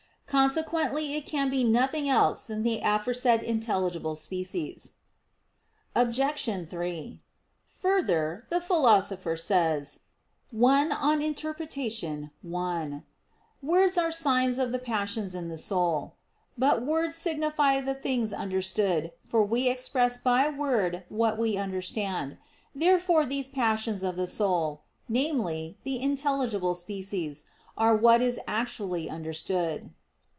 Consequently it can be nothing else than the aforesaid intelligible species. Obj. 3: Further, the Philosopher says (1 Peri Herm. i) that "words are signs of the passions in the soul." But words signify the things understood, for we express by word what we understand. Therefore these passions of the soul viz. the intelligible species, are what is actually understood.